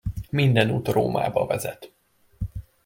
Minden út Rómába vezet.